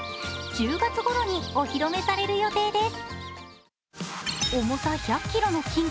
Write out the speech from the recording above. １０月ごろにお披露目される予定です。